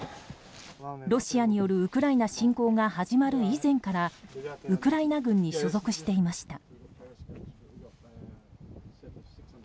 ロシアによるウクライナ侵攻が始まる以前からウクライナ軍に所属していました。